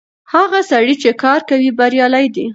هغه سړی چې کار کوي بريالی دی.